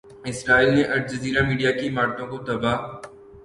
اسرائیل نے Al Jazeera media کی عمارتوں کو تباہ